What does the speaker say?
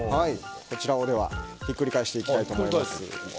こちらをひっくり返していきたいと思います。